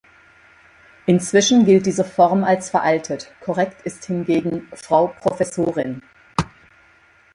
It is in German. Inzwischen gilt diese Form als veraltet, korrekt ist hingegen „Frau Professorin“.